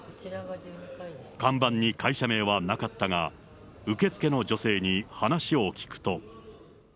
看板に会社名はなかったが、受付の女性に話を聞くと。